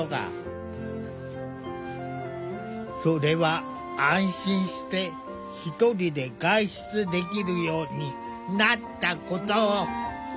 それは安心して一人で外出できるようになったこと。